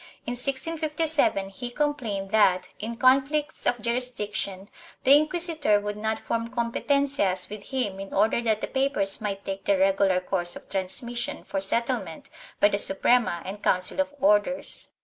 In 1657 he complained that, in conflicts of jurisdic tion, the inquisitor would not form competencias with him in order that the papers might take the regular course of transmis sion for settlement by the Suprema and Council of Orders.